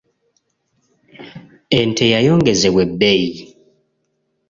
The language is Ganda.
Ente yayongezebwa ebbeeyi .